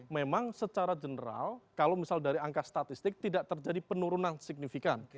memang secara general kalau misal dari angka statistik tidak terjadi penurunan signifikan